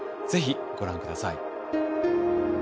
是非ご覧ください。